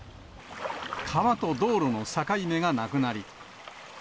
川と道路の境目がなくなり。